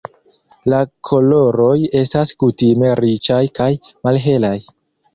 La koloroj estas kutime riĉaj kaj malhelaj.